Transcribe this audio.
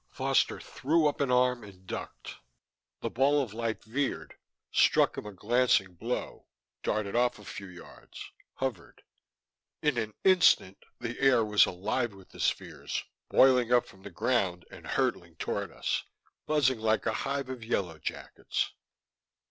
Foster threw up an arm and ducked. The ball of light veered, struck him a glancing blow, darted off a few yards, hovered. In an instant, the air was alive with the spheres, boiling up from the ground, and hurtling toward us, buzzing like a hive of yellow jackets.